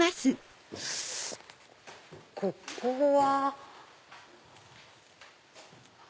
ここは？